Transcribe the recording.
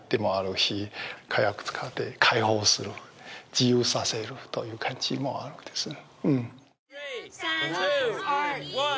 自由させるという感じもあるんですね。